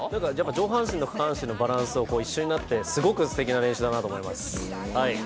上半身と下半身のバランスが一緒になってすごくすてきな練習だなと思います。